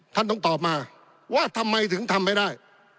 ท่านต้องตอบมาว่าทำไมถึงทำไม่ได้